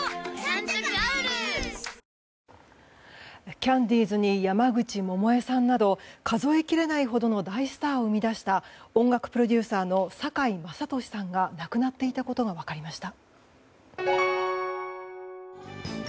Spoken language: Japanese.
キャンディーズに山口百恵さんなど数えきれないほどの大スターを生み出した音楽プロデューサーの酒井政利さんが亡くなっていたことが分かりました。